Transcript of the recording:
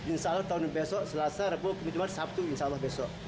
insya allah tahun besok selasa rabu kemudian sabtu insya allah besok